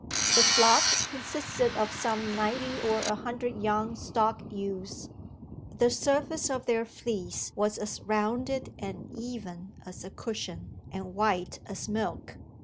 The flock consisted of some ninety or a hundred young stock ewes: the surface of their fleece was as rounded and even as a cushion, and white as milk.